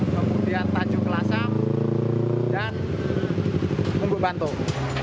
kemudian tanjung kalangsam dan munggul bantung